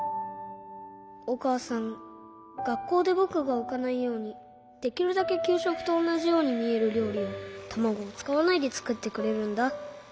おかあさんがっこうでぼくがうかないようにできるだけきゅうしょくとおなじようにみえるりょうりをたまごをつかわないでつくってくれるんだ。